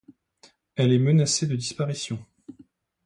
Elle est menacée de disparition.